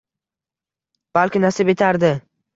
Balki nasib etardi.